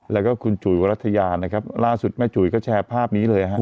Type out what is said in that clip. แล้วก็คุณจุ๋ยุฑะรัฐยาร่านสุดแม่จุ๋ยุก็แชร์ภาพนี้เลยนะครับ